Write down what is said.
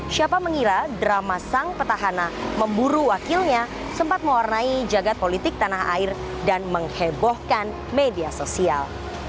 siapa mengira drama sang petahana memburu wakilnya sempat mewarnai jagad politik tanah air dan menghebohkan media sosial